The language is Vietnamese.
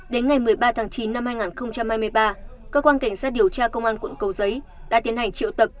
đến ngày một mươi ba tháng chín năm hai nghìn hai mươi ba cơ quan cảnh sát điều tra công an quận cầu giấy đã tiến hành triệu tập